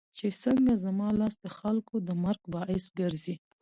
چې څنګه زما لاس دخلکو د مرګ باعث ګرځي